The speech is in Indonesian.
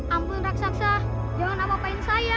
ampun raksasa jangan apa apain saya